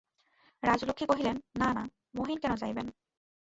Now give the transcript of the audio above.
রাজলক্ষ্মী কহিলেন, না না, মহিন কেন যাইবেন।